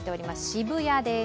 渋谷です。